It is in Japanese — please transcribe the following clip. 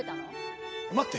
待って。